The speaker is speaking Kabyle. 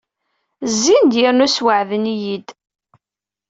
Zzin-d yernu sweɛden-iyi-d.